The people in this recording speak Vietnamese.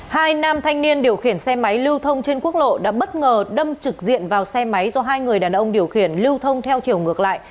hai nam thanh niên điều khiển xe máy lưu thông trên quốc lộ đã bất ngờ đâm trực diện vào xe máy do hai người đàn ông điều khiển lưu thông theo chiều ngược lại